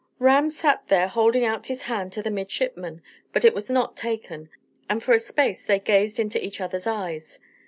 Ram sat there holding out his hand to the midshipman, but it was not taken, and for a space they gazed into each other's eyes.